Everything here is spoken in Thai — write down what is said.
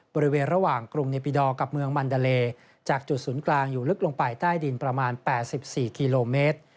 บริเวณระหว่างกรุงเนปิดอร์กับเมืองมันดาเลจากจุดศูนย์กลางอยู่ลึกลงไปใต้ดินประมาณ๘๔กิโลเมตร